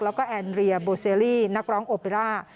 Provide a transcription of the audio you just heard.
แล้วก็แอนเรียโบเซรี่นักร้องโอเปร่า